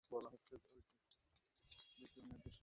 আরে ভাইয়া এতো টাকা তো একসাথে থাকা লাগবে।